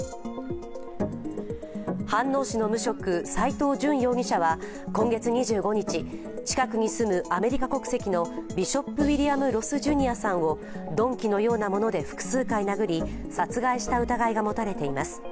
飯能市の無職、斉藤淳容疑者は今月２５日近くに住むアメリカ国籍のビショップ・ウィリアム・ロス・ジュニアさんを鈍器のようなもので複数回殴り殺害した疑いが持たれています。